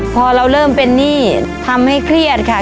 พอเราเริ่มเป็นหนี้ทำให้เครียดค่ะ